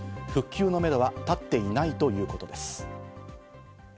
復旧のめどは立っていないということです。